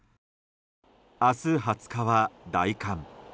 明日、２０日は大寒。